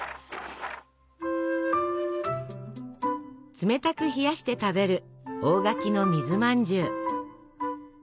冷たく冷やして食べる大垣の水まんじゅう。